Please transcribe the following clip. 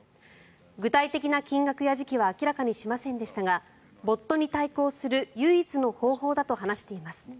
具体的な金額や時期は明らかにしませんでしたがボットに対抗する唯一の方法だと話しています。